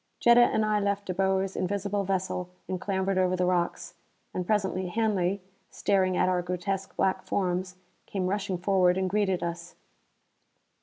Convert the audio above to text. Jetta and I left De Boer's invisible vessel and clambered over the rocks. And presently Hanley, staring at our grotesque black forms, came rushing forward and greeted us.